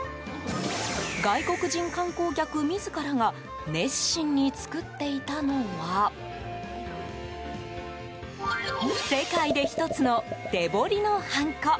外国人観光客自らが熱心に作っていたのは世界で１つの手彫りのハンコ。